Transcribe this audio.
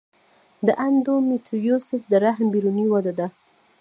د انډومیټریوسس د رحم بیروني وده ده.